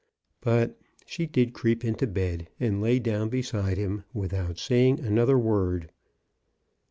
But she did creep into bed, and lay down beside him without saying another word.